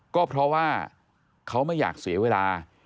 ก็เพราะว่าเขาไม่อยากเสียเวลา